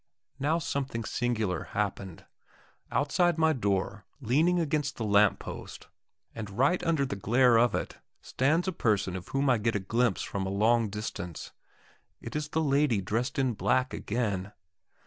Now something singular happened. Outside my door, leaning against the lamp post, and right under the glare of it, stands a person of whom I get a glimpse from a long distance it is the lady dressed in black again.